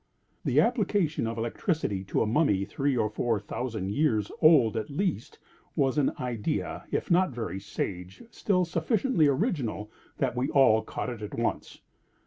The application of electricity to a mummy three or four thousand years old at the least, was an idea, if not very sage, still sufficiently original, and we all caught it at once.